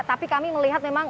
tapi kami melihat memang